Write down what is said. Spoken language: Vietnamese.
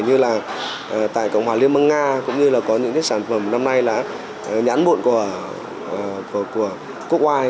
như là tại cộng hòa liên bang nga cũng như là có những cái sản phẩm năm nay là nhãn mụn của quốc oai